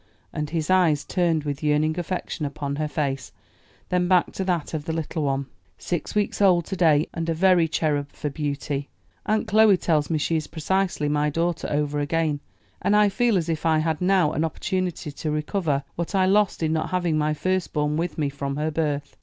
And his eyes turned with yearning affection upon her face, then back to that of the little one. "Six weeks old to day, and a very cherub for beauty. Aunt Chloe tells me she is precisely my daughter over again, and I feel as if I had now an opportunity to recover what I lost in not having my first born with me from her birth.